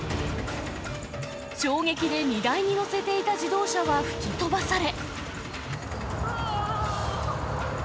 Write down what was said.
衝撃で荷台に載せていた自動車は吹き飛ばされ。